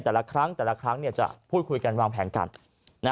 แต่ละครั้งจะพูดคุยกันวางแผนกัน